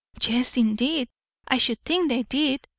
"Yes, indeed; I should think they did.